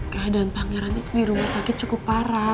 keadaan pangeran itu di rumah sakit cukup parah